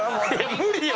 無理よ！